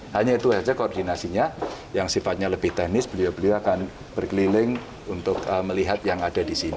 hanya itu saja koordinasinya yang sifatnya lebih teknis beliau beliau akan berkeliling untuk melihat yang ada di sini